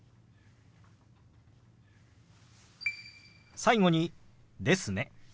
最後に「ですね」。